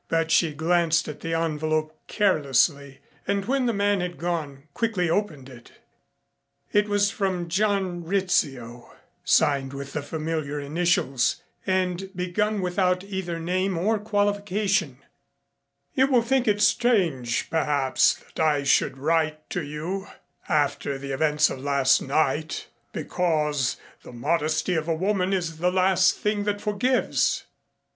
But she glanced at the envelope carelessly, and when the man had gone, quickly opened it. It was from John Rizzio, signed with the familiar initials and begun without either name or qualification: You will think it strange, perhaps, that I should write to you after the events of last night, because the modesty of a woman is the last thing that forgives.